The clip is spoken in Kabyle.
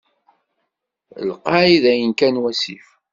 Lqay dayen kan wasif.